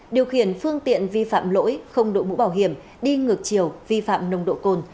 điều khiển phương tiện vi phạm lỗi không đội mũ bảo hiểm đi ngược chiều vi phạm nồng độ cồn